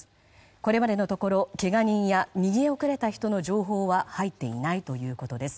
これまでのところけが人や逃げ遅れた人の情報は入っていないということです。